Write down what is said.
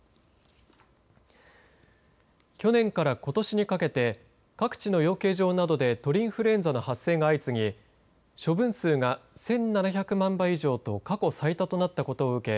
去年からことしにかけて各地の養鶏場などで鳥インフルエンザの発生が相次ぎ処分数が１７００万羽以上と過去最多となったことを受け